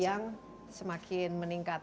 yang semakin meningkat